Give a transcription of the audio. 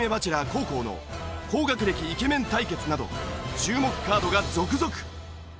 黄皓の高学歴イケメン対決など注目カードが続々！